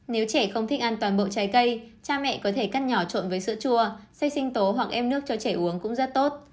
nếu trẻ không thích ăn toàn bộ trái cây cha mẹ có thể cắt nhỏ trộn với sữa chua xay sinh tố hoặc em nước cho trẻ uống cũng rất tốt